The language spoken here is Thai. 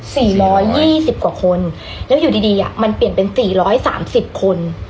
ร้อยยี่สิบกว่าคนแล้วอยู่ดีดีอ่ะมันเปลี่ยนเป็นสี่ร้อยสามสิบคน